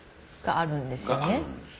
あるんですよね？